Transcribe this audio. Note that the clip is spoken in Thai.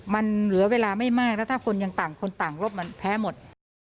มันเหลือเวลาไม่มากแล้วถ้าคนยังต่างคนต่างรบมันแพ้หมด